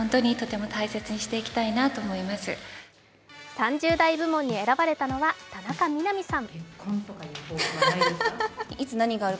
３０代部門に選ばれたのは田中みな実さん。